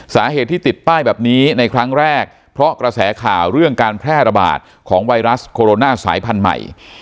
สาเหตุที่ติดป้ายแบบนี้ในครั้งแรกเพราะกระแสข่าวเรื่องการแพร่ระบาดของไวรัสโคโรนาสายพันธุ์ใหม่